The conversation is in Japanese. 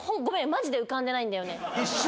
マジで浮かんでないんだよね。